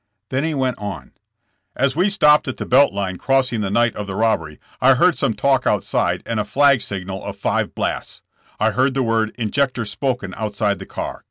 Then he went on: ''As we stopped at the Belt Line crossing the night of the robbery I heard some talk outside and a flag signal of five blasts. I heard the word 'injector' spoken outside the car.